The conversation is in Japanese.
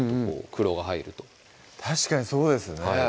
黒が入ると確かにそうですね